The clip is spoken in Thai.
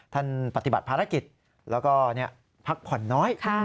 ปฏิบัติภารกิจแล้วก็พักผ่อนน้อย